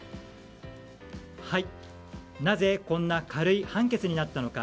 なぜこんな軽い判決になったのか。